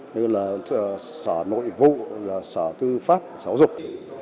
như là sở nội vụ sở tư pháp sở hữu dụng